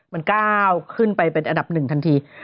มันก้าวขึ้นไปเป็นอันดับ๑ทันที